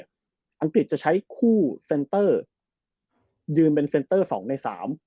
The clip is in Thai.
เจ้าอีกจะใช้คู่เซ็นเตอร์ยืนเป็นเซ็คเตอร์๒ใน๓